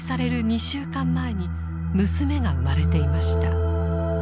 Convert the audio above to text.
２週間前に娘が生まれていました。